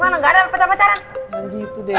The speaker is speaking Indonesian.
gak ada pacar pacaran